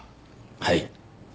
はい。